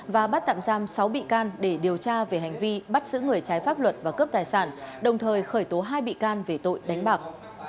và bắt tạm giam sáu bị can để điều tra về hành vi bắt giữ người trái pháp luật và cướp tài sản đồng thời khởi tố hai bị can về tội đánh bạc